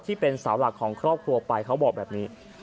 ที่เป็นเสาหลักของครอบครัวไปเขาบอกแบบนี้